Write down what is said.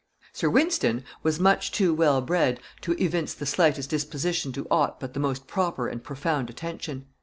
Sir Wynston was much too well bred to evince the slightest disposition to aught but the most proper and profound attention.